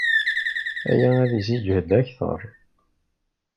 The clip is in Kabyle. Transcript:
Aya ad k-isseǧhed akter.